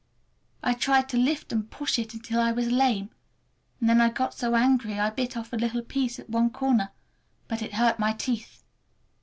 I tried to lift and push it until I was lame, and then I got so angry I bit off a little piece at one corner—but it hurt my teeth.